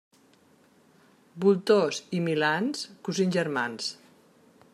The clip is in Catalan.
Voltors i milans, cosins germans.